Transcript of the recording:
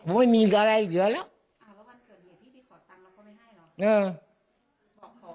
ผมไม่มีทำอะไรเยอะแล้วว่าวันเกิดเนี้ยพี่ไปขอตังก็